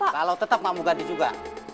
kalau tetap mau ganti juga